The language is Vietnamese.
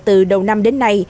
từ đầu năm đến nay